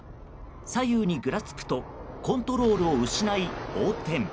左右にぐらつくとコントロールを失い横転。